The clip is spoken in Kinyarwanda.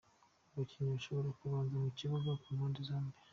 Abakinnyi bashobora kubanza mu kibuga ku mpande zombi:.